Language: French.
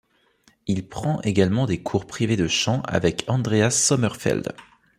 Il prend également des cours privés de chants avec Andreas Sommerfeld.